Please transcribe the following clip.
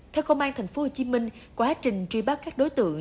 theo công an tp hcm quá trình truy bắt các đối tượng